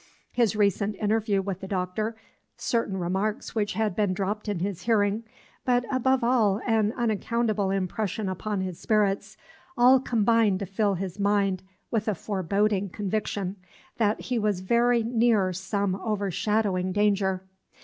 His recent interview with the Doctor, certain remarks which had been dropped in his hearing, but above all an unaccountable impression upon his spirits, all combined to fill his mind with a foreboding conviction that he was very near some overshadowing danger.